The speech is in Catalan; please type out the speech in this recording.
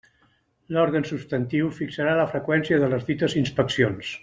L'òrgan substantiu fixarà la freqüència de les dites inspeccions.